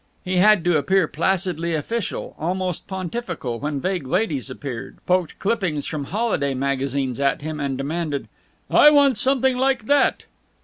He had to appear placidly official, almost pontifical, when vague ladies appeared, poked clippings from holiday magazines at him, and demanded, "I want something like that."